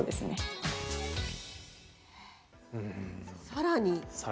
さらに？